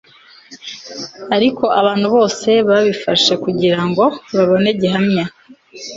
Ariko abantu bose babifashe kugirango babone gihamya